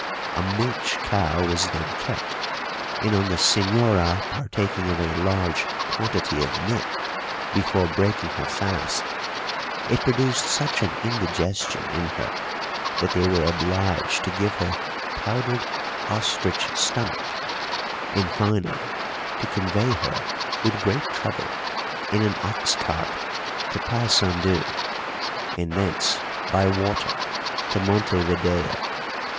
A milch cow was then kept, and on the señora partaking of a large quantity of milk "before breaking her fast," it produced such an indigestion in her that they were obliged to give her powdered ostrich stomach, and finally to convey her, with great trouble, in an ox cart to Paysandù, and thence by water to Montevideo.